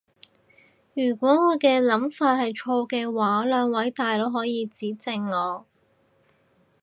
如果我嘅諗法係錯嘅話，兩位大佬可以指正我